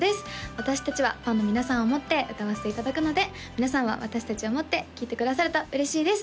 私達はファンの皆さんを思って歌わせていただくので皆さんは私達を思って聴いてくださると嬉しいです